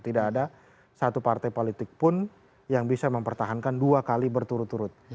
tidak ada satu partai politik pun yang bisa mempertahankan dua kali berturut turut